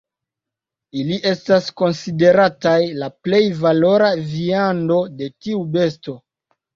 Ili estas konsiderataj la plej valora viando de tiu besto.